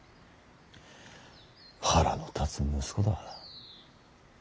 腹の立つ息子だ。